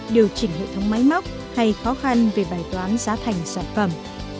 điều chỉnh hệ thống máy móc hay khó khăn về bài toán giá thành sản phẩm